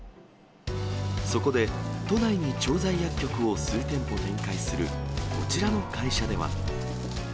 そこで、都内に調剤薬局を数店舗展開する、こちらの会社では。